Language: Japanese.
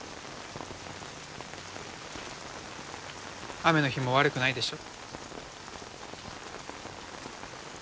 雨の日も悪くないでしょ？